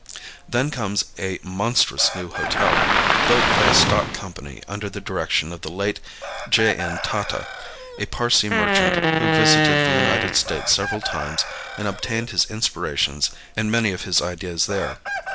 Then comes a monstrous new hotel, built by a stock company under the direction of the late J. N. Tata, a Parsee merchant who visited the United States several times and obtained his inspirations and many of his ideas there.